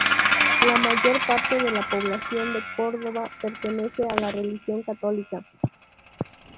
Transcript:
La mayor parte de la población de Córdoba pertenece a la religión católica.